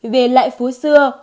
về lại phố xưa